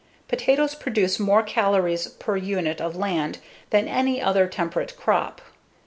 Potatoes produce more calories per unit of land than any other temperate crop.